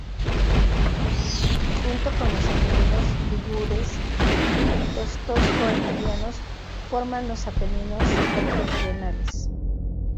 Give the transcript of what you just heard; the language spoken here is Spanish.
Junto con los Apeninos ligures y los tosco-emilianos forman los Apeninos septentrionales.